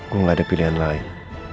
gue gak ada pilihan lain